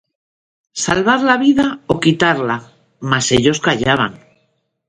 ¿salvar la vida, ó quitarla? Mas ellos callaban.